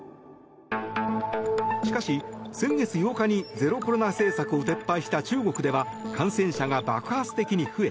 しかし先月８日にゼロコロナ政策を撤廃した中国では感染者が爆発的に増え